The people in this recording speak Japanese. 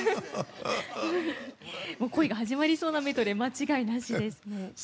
恋が始まりそうなメドレー間違いなしです。